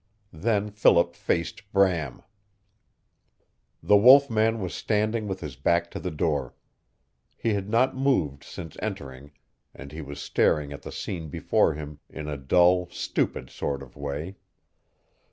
Then Philip faced Bram. The wolf man was standing with his back to the door. He had not moved since entering, and he was staring at the scene before him in a dull, stupid sort of way.